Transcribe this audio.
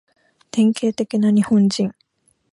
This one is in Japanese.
典型的な日本人